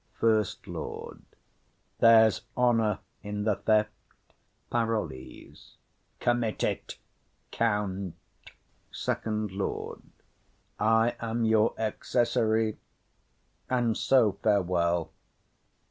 FIRST LORD. There's honour in the theft. PAROLLES. Commit it, count. SECOND LORD. I am your accessary; and so farewell.